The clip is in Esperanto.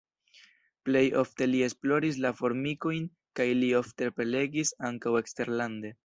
Plej ofte li esploris la formikojn kaj li ofte prelegis ankaŭ eksterlande.